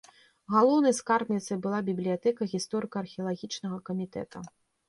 Галоўнай скарбніцай была бібліятэка гісторыка-археалагічнага камітэта.